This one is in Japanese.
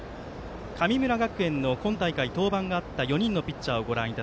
神村学園の今大会、登板のあった４人のピッチャーです。